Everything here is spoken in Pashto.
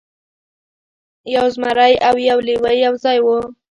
یو زمری او یو لیوه یو ځای وو.